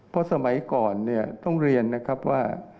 เพราะสมัยก่อนเนี่ยต้องเรียนนะครับว่า